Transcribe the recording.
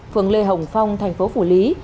phường lê hồng phong tp phủ lý